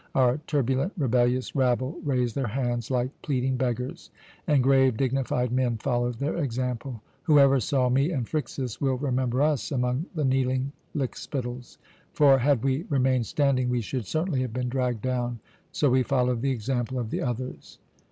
Our turbulent, rebellious rabble raised their hands like pleading beggars, and grave, dignified men followed their example. Whoever saw me and Phryxus will remember us among the kneeling lickspittles; for had we remained standing we should certainly have been dragged down. So we followed the example of the others."